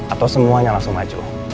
atau semuanya langsung maju